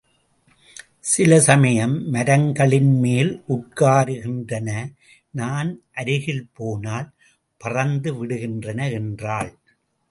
சில சமயம் மரங்களின்மேல் உட்காருகின்றன நான் அருகில் போனால் பறந்து விடுகின்றன என்றாள்.